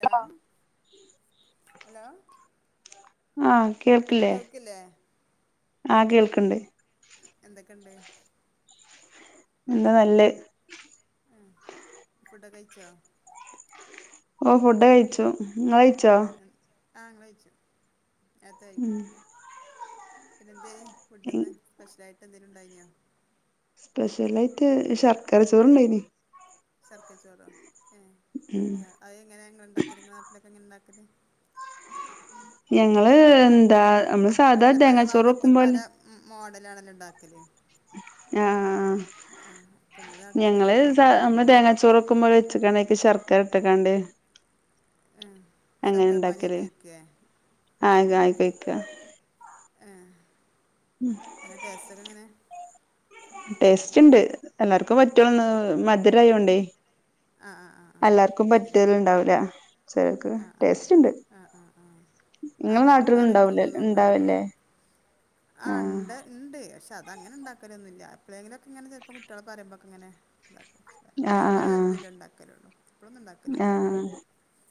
Hello hello ആഹ് കേൾക്ക്ല്ലേ കേൾക്കില്ലേ ആഹ് കേൾക്ക്ണ്ട് എന്തൊക്കെണ്ട് എന്താ നല്ലെത്. ഉം ഫുഡൊകഴിച്ചോ ഓ ഫുഡ് കഴിച്ചു. ഇങ്ങള് കഴിച്ചോ ഉം ഉം ആഹ് ഞങ്ങളഴിച്ചു. നേരത്തെ ഉം കഴിക്കും. പിന്നെന്തെ ഫുഡ് ഇന്ന് സ്പെഷ്യലായിട്ട് എന്തേലും ഉണ്ടായിന്യാെ. സ്പെഷ്യലായിട്ട് ശർക്കര ചോറ്ണ്ടായിനി. ശർക്കരച്ചോറോ ഏഹ് ഉം എഹ് അത് എങ്ങനെ ഇങ്ങള്ണ്ടാക്കല് ഇങ്ങളെ നാട്ടിലൊക്കെ എങ്ങനെ ഇണ്ടാക്കല്. ഞങ്ങള് എന്താ നമ്മള് സാധാ അല്ല പല തേങ്ങാച്ചോറ് ഭാഗത്തും പല വെക്കുമ്പോലെ. ഉം മോഡലാണല്ലോ ഇണ്ടാക്കല് ആഹ് ആഹ് ആഹ് അപ്പം നിങ്ങളെ നാട്ടിലൊക്കെ ഞങ്ങള് എങ്ങനെ സാ ഉണ്ടാക്കല് നമ്മള് തേങ്ങാ ചോറെക്കുമ്പോലെ വെച്ചക്കാണ്ട് അയ്ക്ക് ശർക്കര ഇട്ട്ക്കാണ്ട് ആ അങ്ങനെ ഇണ്ടാക്കല് ശർക്കരപ്പാനിയൊക്കെ ഒഴിക്കേ ആയിക്ക ആയികഴിക്ക ഏഹ് ഉം എങ്ങട്ട് എസ്സ് ക്കെ ഇങ്ങനെ? ടേസ്റ്റ് ഇണ്ട് എല്ലാർക്കും പറ്റോന്ന് ഉണ്ടല്ലേ മധുരയോണ്ടേ. ആ ആ ആ ആ എല്ലാർക്കും ശരിയാണ് പറ്റല് ഇണ്ടാവൂല. ചെലോൽക്ക് ആഹ് ആഹ് ടേസ്റ്റ്ണ്ട്. ആഹ് ആഹ് ആഹ് ആഹ് ങ്ങലെ അതോണ്ട് പിന്നെ നാട്ടിലും വേറെക്ക ണ്ടാവൂല ഇണ്ടാവല്ലേ. ആ ഇണ്ട് ഇണ്ട് പക്ഷെ അതങ്ങനെണ്ടാക്കലൊന്നൂല്ല എപ്ലെങ്കിലൊക്കെ ഇങ്ങനെ ചെലപ്പോ കുട്ടികള് പറയുമ്പോക്കെങ്ങനെണ്ടാക്കും. ആഹ് എപ്പ്ളെലോക്കെ ആഹ് ഇതില് ണ്ടാക്കലൊള്ളൂ എപ്പളൊന്നും ണ്ടാക്കലില്ല.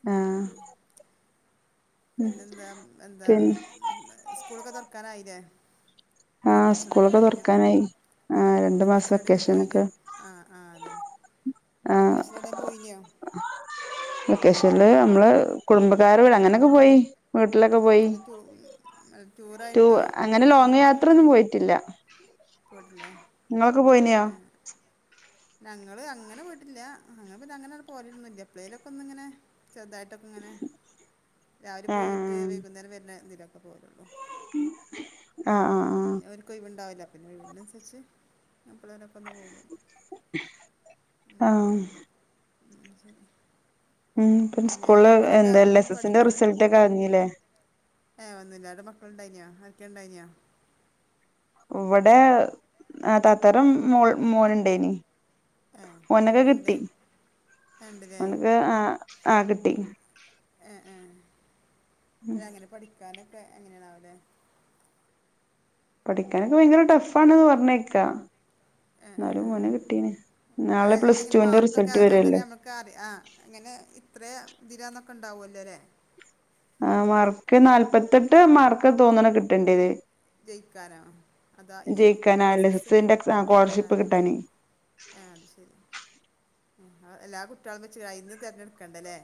ആ പിന്നെന്താ എന്താ പിന്നെ സ്കൂളൊക്കെ തൊറക്കാനായിലെ. ആഹ് വെക്കേഷനൊക്കെ സ്കൂളൊക്കെ കഴിഞ്ഞു ഉം തുറക്കാനായി ആഹ് ഉം രണ്ടു മാസം വെക്കേഷന് എവിടേലും പോയിനോ? വെക്കേഷനൊക്കെ ആ ആ അതന്നെ ആഹ് വെക്കേഷന് എവിടെ പോയിനോ വെക്കേഷനില് നമ്മള് കുടുംബക്കാരെ വിട് അങ്ങനൊക്കെ പോയി. വീട്ടിലൊക്കെ ഉം പോയി അല്ല ടൂ ടൂ ടൂറായിട്ടോ അങ്ങനെ കുട്ടികളെ ലോങ്ങ് കൊണ്ടൊന്നും യാത്രൊന്നും പോയിട്ടില്ല. പോയിട്ടില്ലേ നിങ്ങളൊക്കെ പോയിനോ ഏ ഞങ്ങള് അങ്ങനെ പോയിട്ടില്ല ങ്ങങ്ങള് പിന്ന അങ്ങനെ പോവലൊന്നുല്ല എപ്പ്ളേങ്കിലൊക്കെ ഒന്നിങ്ങനെ ചെറുതായിട്ടൊക്കെങ്ങനെ രാവിലെ ആഹ് പോയിട്ട് വൈകുന്നേരം വരുന്ന തിലൊക്കെ പോകലൊള്ളൂ ആ ആ ആ ക്ക് ഓയ്‌വ്ണ്ടാവില്ല പിന്നെ ഒയിവിനനുസരിച്ച് എപ്പളേലൊക്കെ ഒന്ന് പോകും. ഉം ആ ഉം ഉം ശരി ഉം പ്പൊ ന്ന് പിന്നെ സ്കൂളില് മക്കളൊക്കെ എന്താ എൽ ഉം എസ് എസിന്റെ പഠിക്കണ റിസൾട്ടൊക്കെ അറിഞ്ഞിലേ? ഏ വന്നില്ല അവടെ മക്കളുണ്ടായിനോ അവർക്ക് ഉണ്ടായിനോ? ഇവിടെ ആ താത്താരം മോൾ മോനുണ്ടേയ്നി. ഏ ഓനക്കത് എങ്ങനെയുണ്ട് കിട്ടി ഉണ്ടല്ലേ ഒനക്ക് ആ ആ കിട്ടി എ ഏ അതങ്ങനെ പഠിക്കാനൊക്കെ എങ്ങനെയണാവോലെ പഠിക്കാനൊക്കെ ഭയങ്കര ടഫാണ് പറഞ്ഞേക്കാ. ഏ ഏ ന്നാലും ഏ ഓന് കിട്ടീന് നാളെ പ്ലസ് ടുവിന്റെ റിസൾട്ട് വരല്ലേ? ക്കെ അറി ആ ങ്ങനെ ഇത്രേ ഇതിലാന്നൊക്കെണ്ടാവുല്ലോ ല്ലേ. ആ മാർക്ക് നാല്പത്തെട്ട് മാർക്ക് തോന്ന്ണ് കിട്ടണ്ടേത്. ജയിക്കാനോ അതാ ഈ ജയിക്കാൻ എൽ എസ് എസ് എസിന്റെ എക്സാ സ്കോളർഷിപ്പ് കിട്ടാനില്ലേ? കിട്ടാന് ഏ അത് ശരി ആ എല്ലാ കുട്ടികളും വെച്ച് അയിന്ന് തെരഞ്ഞെടുക്കേണ്ടല്ലേ.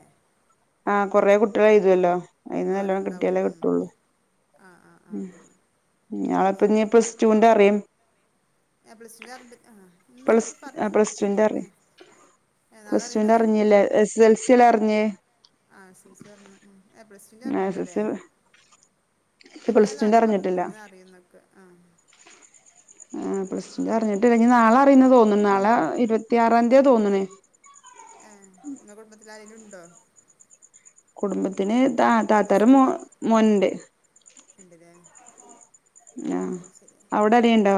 ആ കൊറെ കുട്ടേള് ഏഴുതോല്ലോ അതിന്ന് നല്ലോണ്ണം ഒരുപാടുണ്ടാവുമല്ലോ കിട്ടിയാലേ ഉം. കിട്ടുള്ളൂ. ആ ആ ആ ആ ഉ അത് നാളെപ്പെ ശരി നീ പ്ലസ്റ്റു ന്റെറിയും. ഏ പ്ലസ്റ്റുന്റെ അറിഞ്ഞിട്ട് ആ ഇന്നല്ലേ പ്ലസ് പ്പൊ പറഞ്ഞന്ന് പ്ലസ് ടുവിന്റെ ആ. അറിയും ഏ, നാളെ പ്ലസ് റ്റു ന്റെ അറിയണത് അറിഞ്ഞിലേ എസ്എസ് എൽ സീ അല്ലെ അറിഞ്ഞേ. ആ എസ് സ് എൽ സീ അറിഞ്ഞു ഉം എ പ്ലസ് ടു ന്റെ എസ് എൽ അറിഞ്ഞിട്ടില്ലല്ലേ? സി പ്ലസ് അപ്പിന്നലെ ആരാ ടുവിന്റെ പറഞ്ഞു അറിഞ്ഞിട്ടില്ല ഇന്നാ അറിയുന്നൊക്കെ ആ. ആ അത് ശരി പ്ലസ്റ്റുൻ്റെ അറിഞ്ഞിട്ടില്ല ഇഞ്ഞി നാളെ അറിയുന്ന് തോന്നും നാളെ ഇരുപത്തിയാറാംതി യാ തോന്ന്ണ് ഏ ങ്ങള കുടുംബത്തിലരെങ്കിലും ഉണ്ടോ? കുടുംബത്തിന് ത താത്താരെ മോ മോൻണ്ട്. ഇണ്ട്ല്ലേ. ആ അവിടെരെണ്ടോ?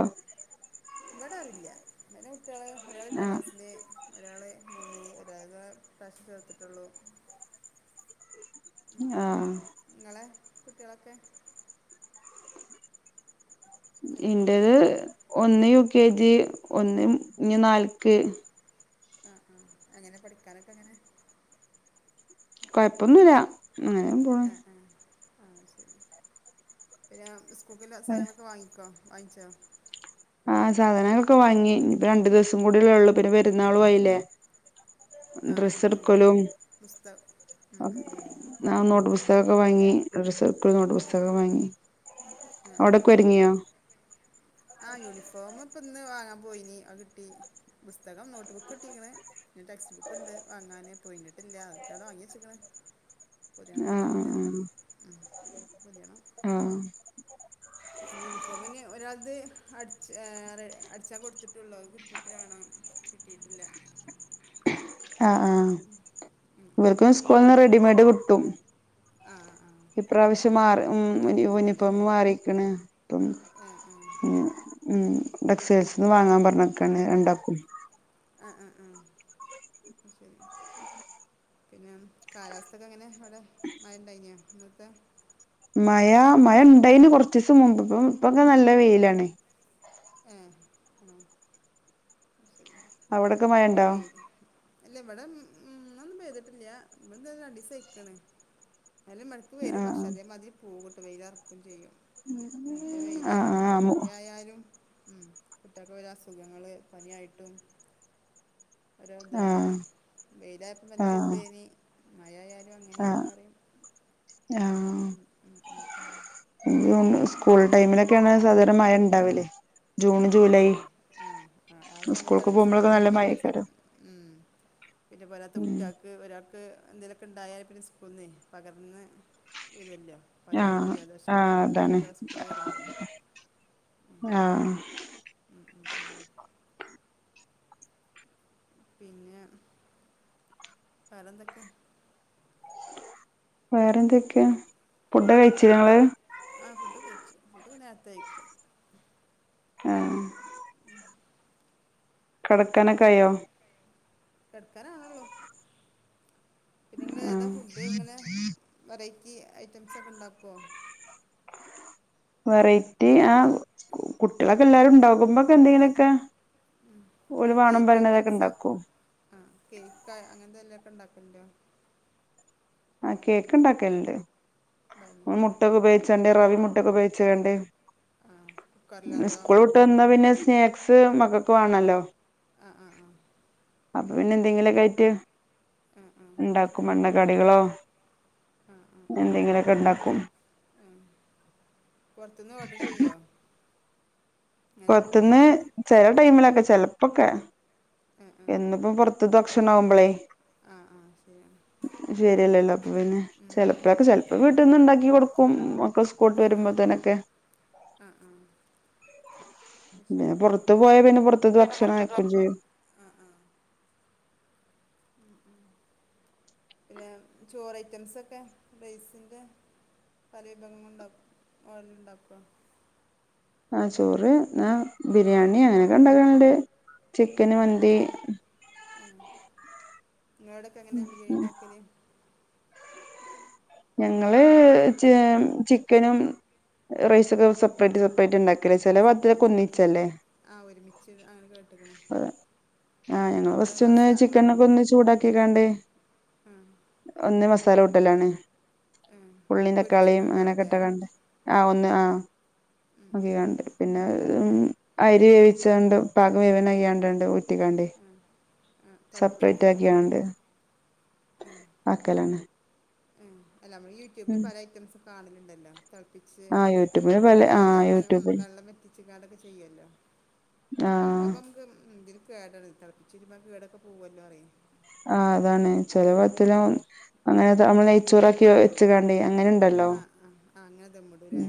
ഇവടാരൂല്ല അയിന് കുട്ടികള് ഒരാള് എട്ടാം ആഹ് ക്ലാസ്സില്. ഒരാള് മൂന്നില് ഒരാള് ഇപ്രാശ്യം ചേർത്തിട്ടുള്ളൂ. ആ ങ്ങളെ കുട്ടേളൊക്കെ. ചെറിയ കുട്ടി- വലിയ ഇന്റെത് ഒന്ന് യു കെ ജി ഒന്ന് ഇഞ്ഞി നാല്ക്ക്. ആഹ് ആഹ് ങ്ങനെ പഠിക്കാനൊക്കെ എങ്ങനെ കൊഴപ്പൊന്നുല്ല അങ്ങനെ പോണ് അ ആ ആഹ് ശരി പിന്നെ സ്കൂളിക്ക്ള്ള സാനങ്ങളൊക്കെ വാങ്ങി ക്കൊ വാങ്ങ്ച്ചൊ ആഹ് സാധനങ്ങളൊക്കെ വാങ്ങി ഇനിപ്പോ രണ്ടു ദിവസം കൂടിയല്ലുള്ളൂ പിന്നെ പെരുന്നാളു ആയില്ലേ ആ ആ ഡ്രസ്സ് ആ എടുക്കലും പുസ്തകം ഉം, അ ഉം, ഉം. ആഹ് നോട്ട് പുസ്തൊക്കെ വാങ്ങി ഡ്രസ്സെടുക്കലും നോട്ട് ആ പുസ്തകം വാങ്ങി ആ അവിടെക്കൊരുങ്ങിയോ ആഹ് യൂണിഫോമ് ഇപ്പിന്ന് വാങ്ങാൻ പോയിനി അത് കിട്ടി പുസ്തകം നോട്ട് ബുക്ക് കിട്ടീക്കണ് ഇനി ടെക്സ്റ്റ് ബുക്കുണ്ട് വാങ്ങാന് പോയിഞ്ഞിട്ടില്ല അവക്കടെ വാങ്ങി വെച്ചേക്കണ് പൊതിയാൻ ആഹ് നോക്കീട്ടില്ല ആഹ് ഉം പൊതിയണം ആഹ് ആഹ് യൂണിഫോം ഇനി ഒരാത് അട്ച്ച് അടിച്ചാൻ കൊടുത്തിട്ടുള്ളു അത് കിട്ടീട്ട് വേണം കിട്ടീട്ടില്ല അ ആഹ് ഉം, ഉം. ഇവർക്ക് സ്കൂൾന്ന് റെഡിമെയ്ഡ് കിട്ടും ആ ആ അത് ഇപ്രാവശ്യം ശരി മാറി ഉം അതൊക്കെ അടിക്കണ്ടല്ലോ യൂണിഫോം അല്ലേ മാറീക്കണ് ഇപ്പം ആ ആ ഉം ഉം ടെക്സൈൽസീന്ന് അത് ശരി വാങ്ങാൻ പറഞ്ഞെക്കാണ് രണ്ടാക്കും അ അ ആഹ് ആഹ് ശരി പിന്നെ കാലാവസ്ഥൊക്കെ എങ്ങനെ അവിടെ മഴ ഇണ്ടായിനാ ഇന്നത്തെ മഴ മഴ ഇണ്ടായിനു കൊറച്ചുസം മുമ്പ്ക്ക് ഇപ്പൊക്കെ നല്ല വെയിലാണ് ഏഹ് ആഹ് അവിടൊക്കെ മഴ പൊതുവേ അല്ല ഇവിടെ ഇന്നൊന്നും പെയ്തട്ടില്ല ഇവിടത്തേത് രണ്ടുസായിക്കണ് എന്നാലും വെരും പക്ഷെ ആഹ് അതേമാതിരി പോവുട്ടോ വെയിലെറക്കൂം ചെയ്യും മറ്റേ വെയില് ആഹ് ഉം ആഹ് ആഹ് മു മഴയായാലും ഉം കുട്ടികക്കൊരു അസുഖങ്ങള് പനിയായിട്ടും ഓരോ ഇതാണല്ല ആഹ് വെയിലായപ്പോ നല്ല ആഹ് ചൂടായിനി മഴയായാലും അങ്ങനെയാണ് ആഹ് പറയ്യാ ആഹ് ഉം, ഉം. എനിക്ക് തോന്നുന്നു സ്കൂൾ ടൈമിലൊക്കെയാണ് സാധാരണ മഴ ഇണ്ടാവല് ജൂൺ ആഹ് ആഹ് ജൂലൈ അതെ ആഹ് ആഹ് ആഹ് സ്കൂൾക്ക് സമയത്താണ് പോകുമ്പോഴൊക്കെ നല്ല സ്കൂളുക്കൊക്കെ വരുന്ന സമ മഴേക്കാരം ഉം പിന്നെ പോരാത്തെ ഉം കുട്ടിയാൾ ഒരാൾക്ക് എന്തേലൊക്കെ ഉണ്ടായാ പിന്നെ സ്‌കൂൾന്നെ പകർന്ന് വരുവല്ലോ പനിയായിട്ടും ആഹ് ആഹ് ജലദോഷൊക്കെണ്ട് അതാണ് കുട്ടികളെ സ്കൂളീ വെരുംമ്പളേ ആഹ് ഉം ഉം ഉം പിന്ന വേറെന്തൊക്കെ വേറെ എന്തൊക്കെയാ ഫുഡ് കഴിച്ചാ നിങ്ങള് ആഹ് ഫുഡ് കഴിച്ചു ഫുഡൊക്കെ നേരത്തെ കയിക്കും ആഹ് ഉം കെടക്കാനൊക്കെ പിന്നെ ആയോ കിടക്കാനാവണുള്ളൂ പിന്നെ നിങ്ങൾ ഏതാ ആഹ് ഫുഡ് ഇങ്ങനെ വെറൈറ്റി ഐറ്റംസൊക്കെ ഉണ്ടാക്കുവോ വെറൈറ്റി ആഹ് കുട്ടികളൊക്കെ എല്ലാരും ഉണ്ടകുമ്പൊക്കെ എന്തെങ്കിലൊക്കെ ഒരു വാണ പരണിതൊക്കെ ഉണ്ടാക്കും ആഹ് കേക്ക് അങ്ങനത്തെ എല്ലാട്ടൊക്കെ ഉണ്ടാക്കകുണ്ടും ആ കേക്ക് ഉണ്ടാകുന്നുണ്ട് ഉണ്ടായിരുന്നു മുട്ട ഒക്കെ ഉപയോഗിച്ചണ്ട് റവി മുട്ട ഒക്കെ ഉപയോഗിച്ചണ്ട് ആ കുക്കറിലതോ സ്കൂൾ വിട്ട് വന്നാ പിന്നെ സ്നാക്സ് മകൾക്ക് വേണല്ലോ ആഹ് ആഹ് ആഹ് അപ്പൊ പിന്നെ എന്തെങ്കിലുമൊക്കെ ആയിട്ട് ആ ആ ശരി ഉണ്ടാക്കും എണ്ണക്കടികളോ ആ ആ ആ എന്തെങ്കിലൊക്കെ ഉണ്ടാക്കും ആ പുറത്തുനിന്ന് ഓർഡർ ചെയ്യോ അങ്ങനെ ഫുഡ് പുറത്തുന്ന് ചെല ടൈമിലൊക്കെ ചെലപ്പോക്കെ ആ എന്നിപ്പ പുറത്ത് ത്ത് ഭക്ഷണം ആവുമ്പോളേ ആഹ് ആഹ് ശെരി ആണ് ശരിയല്ലല്ലോ അപ്പൊ പിന്നെ ചെപ്പോഴൊക്കെ ചെിലപ്പോ വീട്ടിൽന്ന് ഉണ്ടാക്കി കൊടുക്കും മക്കൾ പോയിട്ട് വരുമ്പോ തേനൊക്കെ ആഹ് ആഹ് പിന്നെ പുറത്ത് പോയ പിന്നെ പുറത്ത ഭക്ഷണം ആക്കയും ചെയ്യും ആ ആ പിന്നെ ചോറ ഐറ്റംസൊക്കെ റൈസിന്റെ കറിയൊക്കെ ഉണ്ടാകുവോ ഓവൻ ഉണ്ടാകുവോ ആ ചോറ് ബിരിയാണി അങ്ങനെയൊക്കെ ഉണ്ടാക്കണണ്ട് ചിക്കന് ആ മന്തി ആ നിങ്ങളോടൊക്കെ എങ്ങനെ ബിരിയാണി ഉണ്ടാക്കുന്ന ഞങ്ങള് ചിക്കനും റൈസ ഒക്കെ സെപ്പറേറ്റ് സെപ്പറേറ്റ് ഉണ്ടാക്കല സെപ്പറേറ്റ് ആ ഒരുമിച്ച് അങ്ങനെ കേട്ടക്കണ ആഹ് ഞങ്ങൾ ഫസ്റ്റ് ഒന്ന് ചിക്കൻ ഒക്കെ ഒന്ന് ചൂടാക്കികണ്ട് ആ ഒന്ന് മസാല കൂട്ടൽ ആണ് ആ ഉള്ളിയും പൊരിച്ച് തക്കാളിയും കണ്ടാവും അങ്ങനൊക്കെ അല്ലേ ഇട്ട് കണ്ട് ആഹ് ഒന്ന് ആഹ് ഉം, ഒക്ക ഉം, കണ്ട ഉം. പിന്നെ അരി വേവിച്ചണ്ട് പാക വെവിൻ ആയിട്ട് [unintelligible] ഊട്ടിക്കണ്ടി ആ ആ തിളപ്പിച്ച് സെപ്പറേറ്റ് ചൂറ്റലാവും ആക്കിയണ്ട് ഉം. ആക്കലാണ് ഉം അല്ല നമ്മള് യൂട്യൂബിൽ പല ഐറ്റംസ് കാണലുണ്ടല്ലോ തിളപ്പിച്ച് ആ യൂട്യൂബില് പല ആ ഊറ്റാതെ അങ്ങനെ യൂട്യൂബിൽ വെള്ളം വറ്റിച്ച കണ്ട് ഒകെ ചെയ്യുമല്ലോ ആ അങ്ങനെയാവുമ്പോ നമക്ക് എന്തി കേട തിളപ്പിച്ചിരുമക്ക് വീടൊക്കെ കേടു വരുമല്ലോ പറയും ആഹ് അതാണ് ചെലവറ്റലം അങ്ങനെ നമ്മൾ ഉം. നെയ്ച്ചോറാക്കി വെച്ച കണ്ടി അങ്ങനെുണ്ടല്ലോ ആ ആ ആ അങ്ങനെ ദമ്മിടൂലേ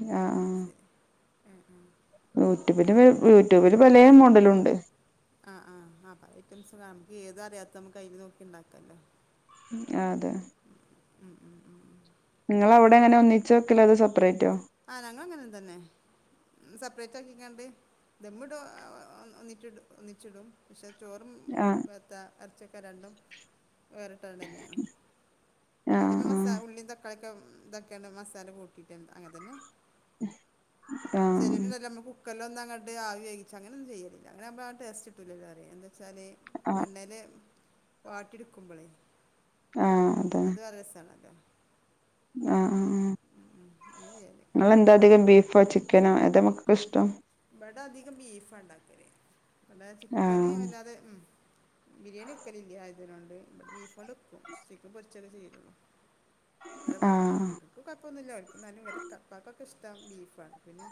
ആഹ് ആഹ് ഉം ഉം യൂട്യൂബില് യൂട്യൂബില് പലയ മോഡലുണ്ട് ആഹ് ആഹ് ഐറ്റംസ് നമുക്ക് ഏത് അറിയാത്ത നമ്മുക്ക് അതിൽ നോക്കി ഉണ്ടാക്കാല്ലോ ആഹ് അതെ ഉ ഉം ഉം ഉം ഉം. നിങ്ങള അവിടെ അങ്ങനെ ഒന്നിച്ച് വയ്ക്കലോ അതോ സെപ്പറേറ്റോ ആഹ് ഞങ്ങൾ അങ്ങനെ തന്നെ സെപ്പറേറ്റ് ആക്കികൊണ്ട് ദമ്മിടി ഒന്നിച്ചിടും പക്ഷെ ചോറും ആഹ് ത്ത ഇറച്ചൊക്കെ രണ്ടും വേറിട്ടണ്ട തന്നെയ ആ അത് ആ മസാ- ഉള്ളീം തക്കാ ളൊക്കെ ഇതൊക്കെയാണ്ട് മസാല കൂട്ടിയിട്ട് അങ്ങനെ തന്നെ ആ ശരി [unintelligible] നമ്മക്കു കൊല്ല ഒന്നുംങ്ങട്ട് ആ വി വേവിച്ച അങ്ങനൊന്നും ചെയ്യലില്ല അങ്ങനെ ആവുമ്പോ ടേസ്റ്റ് കിട്ടില്ലലോ എന്താ വെച്ചാല് ആ എണ്ണേല് വാട്ടിയെടുക്കുമ്പോളേ ആ അത് വേറെ രസമാണലോ ആഹ് ആഹ് ആഹ് ഉം അങ്ങനെ ചെയ്യാലേ നിങ്ങൾന്താ അധികം ബീഫോ ചിക്കനോ ഏതാ മക്കക്ക് ഇഷ്ടം ബട അധികം ബീഫ ഉണ്ടാക്കല് ഇബ ടെചിക്കന് ആഹ് വല്ലാതെ ഉം ബിരിയാണി വെക്കലില്ല ആയതിനൊണ്ട് ഇബടെ ബീഫ് കൊണ്ട് വക്കും ചിക്കൻ പൊരിച്ചൊക്കെ ചെയ്യലുള്ളൂ അവിടെ ആ ആഹ് മക്കൾക്ക് കൊയപ്പൊന്നും ഇല്ല അവരിക് ന്നാലും ഇവരെ ഇപ്പക്കൊക്കെ ഇഷ്ടം ബീഫാണ് പിന്നെ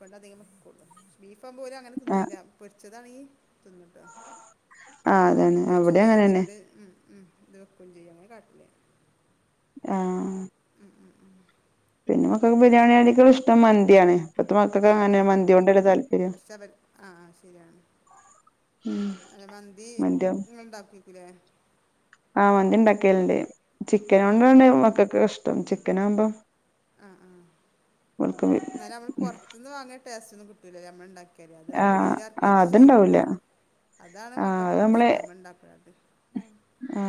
ബട അധികം വക്കോള്ളു ബീഫ് ആ കുമ്പോ ഓലങ്ങനെ ആഹ് തിന്നൂല്ല പൊരിച്ചതാണെങ്കി തിന്നുട്ടോ ആഹ് അപ്പൊ അതാണ് അത് പൊരിച്ചും ഇവിടേം ചെയ്യും അങ്ങനെന്നെ ഇതിലൂടെ ഉ ഉ ഇത് വെക്കും ചെയ്യുംങ്ങനെ കാട്ടല് ആഹ് ആ ഉം ഉം ഉം പിന്നെ മക്കക്ക് ബിരിയാണി നേക്കളും ഇഷ്ടം മന്തിയാണ് ഇപ്പത്തെ മക്കക്ക് ആഹ് അങ്ങനെ ആഹ് മന്തിയോണ്ടല്ലേ താല്പര്യം പക്ഷെ ഇപ ആഹ് ശരിയാണ് ഉം അതെ മന്തി മന്തിയാവും ങ്ങള് ണ്ടാക്കി വക്കു ലെ ആഹ് മന്തി ഉണ്ടാക്കല്ണ്ട് ചിക്കന് ആ കൊണ്ടാണ് മക്കക് ഇഷ്ടം ചിക്കനകുമ്പോ ആ ഹ്ആ എന്നാലും നമ്മൾ പുറത്തുന്ന് വാങ്ങിയ ടേസ്റ്റന്നും കിട്ടൂല്ലല്ലേ നമ്മൾ ഉണ്ടാക്കിയ. ക്കല്ലേ അത് ആ ആഹ് കുയിലറക്കി ആഹ് വച്ച് അത്ണ്ടാവൂല ചെയ്യുമ്പോളേ അതാണ് ആഹ് മക്കൾക്കൊക്കെ ഇഷ്ടമുണ്ടാക്കണത് ആ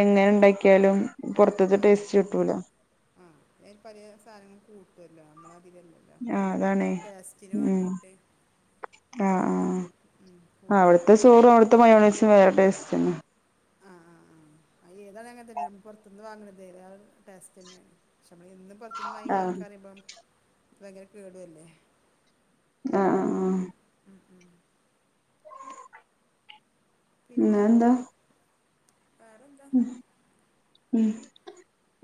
എങ്ങനെ ഉണ്ടാക്കിയാലും പുറത്ത്തെ ടേസ്റ്റ് കിട്ടൂല. ആഹ് അതില് പല സാധനങ്ങൾ കൂട്ടല്ലോ നമ്മൾ അതിലല്ലല്ലോ ആഹ് അതാണേ ടേസ്റ്റിന് ഉം വേണ്ടിയിട്ട് ആഹ് പലതും ആഹ് ഉ കൂട്ടുല്ല അറിയ. അവിടത്തെ മയോണയ്സ് വേറെ ടേസ്റ്റന്നെ ആഹ് ആഹ് ആ ഹ്ഏതായാലും അങ്ങനതന്നെയ പുറത്തുനിന്ന് വാങ്ങണതേ ടേസ്റ്റ് തന്നെയാ. പക്ഷെ നമ്മള് എന്നും പുറത്തുന്ന് വാങ്ങി ആഹ് കഴിക്കാറിയുമ്പം ഭയങ്കര കേടുല്ലേ ആഹ് ആഹ് ആഹ് ഉം ഉം പിന്നെ എന്താ വേറെന്താ ഉ ഉം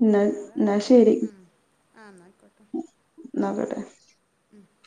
എന്നാ വേറെ എന്നാ ശരി ഉം. ആ ന്നായിക്കോട്ടെ. അന്നാകട്ടെ ഉം